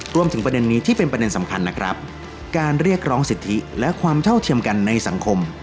ประเด็นนี้ที่เป็นประเด็นสำคัญนะครับการเรียกร้องสิทธิและความเท่าเทียมกันในสังคม